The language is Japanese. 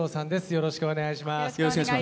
よろしくお願いします。